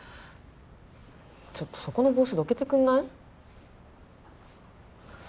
ちょっとそこの帽子どけてくんない？